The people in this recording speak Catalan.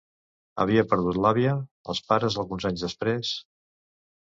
Havia perdut l'àvia, els pares alguns anys després...